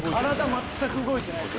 全く動いてないです